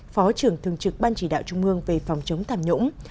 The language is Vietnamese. phó trưởng thường trực ban chỉ đạo trung mương về phòng chống tham nhũng